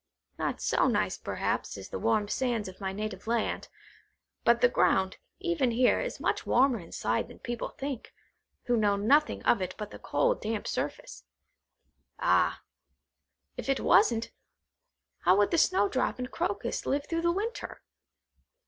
Not so nice, perhaps, as the warm sands of my native land; but the ground, even here, is much warmer inside it than people think, who know nothing of it but the cold damp surface. Ah, if it wasn't, how would the snowdrop and crocus live through the winter?